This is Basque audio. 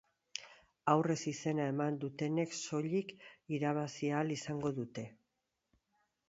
Aurrez izena eman dutenek soilik erabili ahal izango dute.